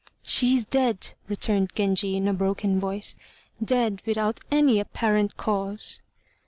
"She is dead," returned Genji in a broken voice; "dead without any apparent cause."